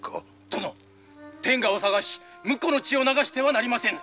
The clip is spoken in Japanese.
殿天下を騒がし罪なき者の血を流してはなりませぬ。